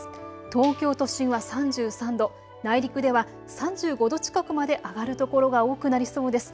東京都心は３３度、内陸では３５度近くまで上がる所が多くなりそうです。